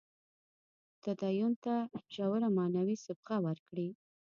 تدین ته ژوره معنوي صبغه ورکړي.